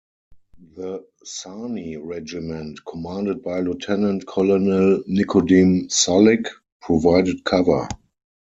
The "Sarny" regiment, commanded by Lieutenant Colonel Nikodem Sulik, provided cover.